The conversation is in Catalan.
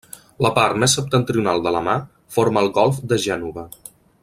La part més septentrional de la mar forma el golf de Gènova.